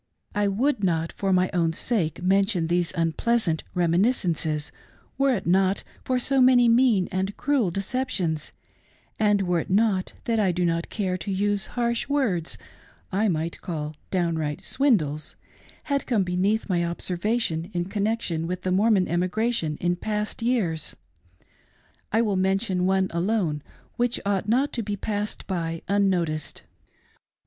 I would not for my own sake mention these unpleasant reminiscences were it not that so many mean and cruel de ceptions— and, were it not that I do not care to use harsh words, I might call downright "swindles" — had come beneath my observation in connection with the Mormon emigration in past years, I will mention one alone which ought not to be passed by unnoticed.